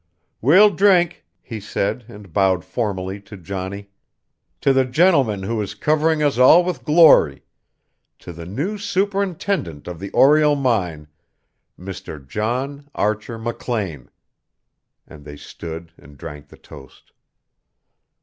"We'll drink," he said, and bowed formally to Johnny, "to the gentleman who is covering us all with glory, to the new superintendent of the Oriel mine, Mr. John Archer McLean," and they stood and drank the toast.